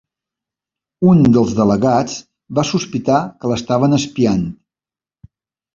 Un dels delegats va sospitar que l'estaven espiant